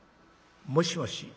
『もしもし。